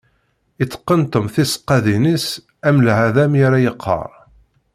Iteqqen Tom tisekkadin-is am lɛada mi ara yeqqar.